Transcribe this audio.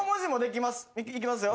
いきますよ